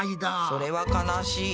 それは悲しい。